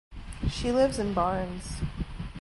She lives in Barnes.